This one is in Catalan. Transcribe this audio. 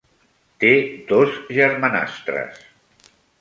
Té dos germanastres.